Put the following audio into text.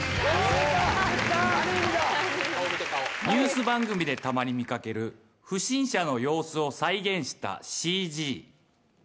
ニュース番組でたまに見掛ける不審者の様子を再現したＣＧ。